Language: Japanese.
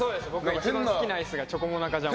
一番好きなアイスがチョコモナカジャンボ。